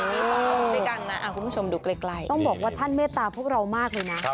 มีสององค์ด้วยกันนะคุณผู้ชมดูใกล้ต้องบอกว่าท่านเมตตาพวกเรามากเลยนะ